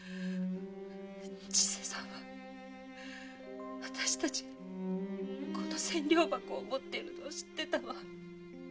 千世さんは私たちがこの千両箱を持ってるのを知ってたわ。